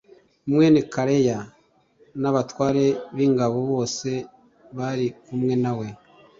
mwene Kareya n abatware b ingabo bose j bari kumwe na we